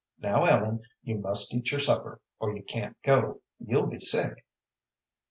"Now, Ellen, you must eat your supper, or you can't go you'll be sick."